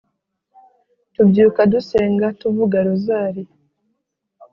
Tubyuka dusenga ,tuvuga rozari